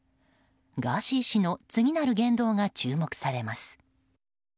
ガーシー氏の次なる言動が注目されます。